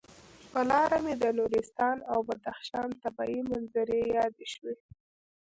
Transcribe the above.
پر لاره مې د نورستان او بدخشان طبعي منظرې یادې شوې.